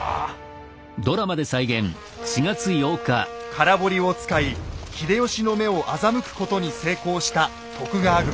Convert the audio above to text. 空堀を使い秀吉の目を欺くことに成功した徳川軍。